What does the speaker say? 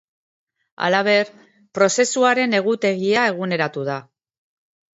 Halaber, prozesuaren egutegia eguneratu da.